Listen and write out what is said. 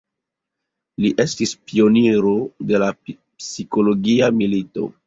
Li estis pioniro de la psikologia milito.